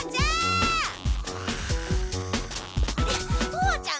父ちゃん！